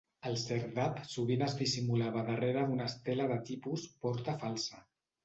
El serdab sovint es dissimulava darrere d'una estela de tipus 'porta falsa'.